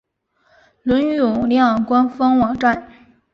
伦永亮官方网站